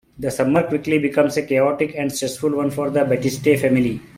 The summer quickly becomes a chaotic and stressful one for the Batiste family.